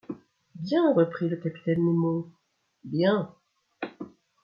Bien, reprit le capitaine Nemo, bien !..